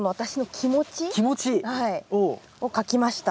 気持ち。を書きました。